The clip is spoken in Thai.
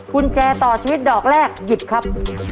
กุญแจต่อชีวิตดอกแรกหยิบครับ